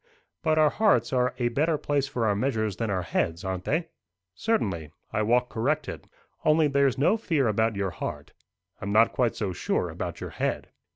But our hearts are a better place for our measures than our heads, aren't they?" "Certainly; I walk corrected. Only there's no fear about your heart. I'm not quite so sure about your head."